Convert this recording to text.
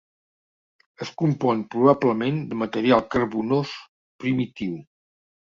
Es compon probablement de material carbonós primitiu.